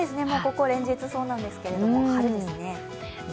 ここ連日そうなんですが、晴れですね。